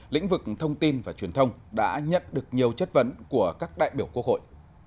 lĩnh vực thông tin và truyền thông đã nhận được nhiều chất vấn của các đại biểu quốc hội